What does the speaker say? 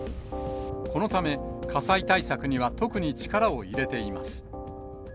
このため火災対策には特に力を入れています。